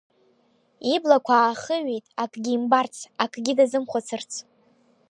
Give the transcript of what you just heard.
Иблақәа аахиҩеит, акгьы имбарц, акгьы дазымхәыцырц.